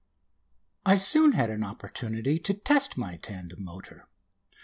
I soon had an opportunity to test my tandem motor.